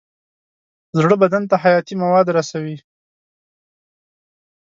زړه بدن ته حیاتي مواد رسوي.